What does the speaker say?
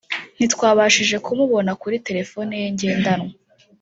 ntitwabashije kumubona kuri telefone ye ngendanwa